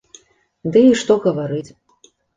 Ды і што гаварыць!